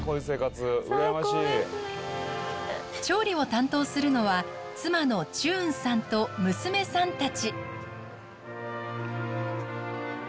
調理を担当するのは妻のチュウンさんと娘さんたち。